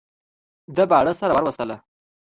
ده باڼه سره ور وستله.